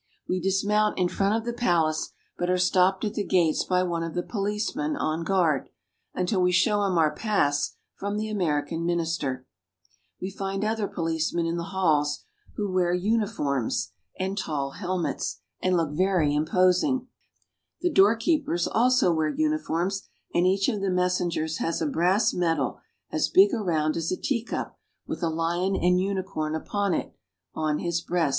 We dismount in front of the palace, but are stopped at the gates by one of the policemen on guard, until we show him our pass from the American Minister. We find other policemen in the halls, who wear uniforms HOW ENGLAND IS GOVERNED. 79 and tall helmets, and look very imposing. The door keepers also wear uniforms, and each of the messengers has a brass medal as big around as a teacup, with a lion and unicorn upon it, on his breast.